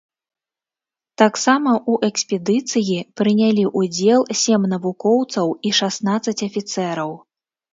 Таксама ў экспедыцыі прынялі ўдзел сем навукоўцаў і шаснаццаць афіцэраў.